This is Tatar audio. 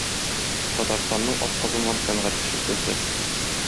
Татарстанның атказанган сәнгать эшлеклесе.